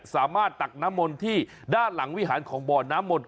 ตักน้ำมนต์ที่ด้านหลังวิหารของบ่อน้ำมนต